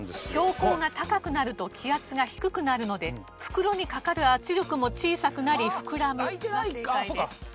標高が高くなると気圧が低くなるので袋にかかる圧力も小さくなり「ふくらむ」が正解です。